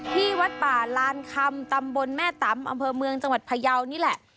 ที่วัดป่าลานคำตำบลแม่ตำอำเภอเมืองจังหวัดพยาวนี่แหละ